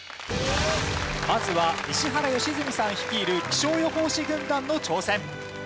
まずは石原良純さん率いる気象予報士軍団の挑戦。